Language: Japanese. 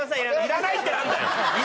「いらない」ってなんだよ！